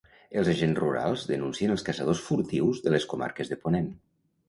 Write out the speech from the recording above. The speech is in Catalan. Els Agents Rurals denuncien els caçadors furtius de les comarques de Ponent.